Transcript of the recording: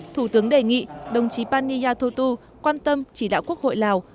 thủ tướng đề nghị đồng chí pani yathutu quan tâm chỉ đạo quốc hội lào